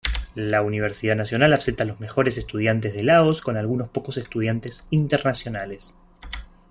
La Universidad nacional acepta los mejores estudiantes de Laos con algunos pocos estudiantes internacionales.